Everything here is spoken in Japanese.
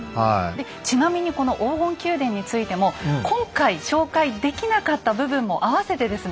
ちなみにこの黄金宮殿についても今回紹介できなかった部分も合わせてですね